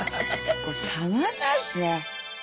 これたまんないっすね。